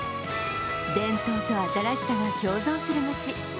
伝統と新しさが共存する街